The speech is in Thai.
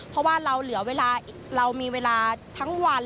เพราะว่าเรามีเวลาทั้งวัน